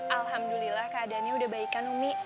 alhamdulillah keadaannya udah baik kan umi